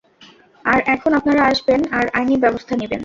আর এখন আপনারা আসবেন, আর আইনী ব্যবস্থা নিবেন?